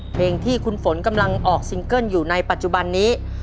เพลงที่คุณฝนกำลังออกซิงเกิ้ลอยู่ในปัจจุบันนี้